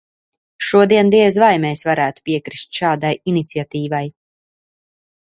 Šodien diez vai mēs varētu piekrist šādai iniciatīvai.